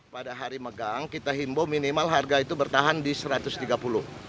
pada hari megang kita himbo minimal harga itu bertahan di rp satu ratus tiga puluh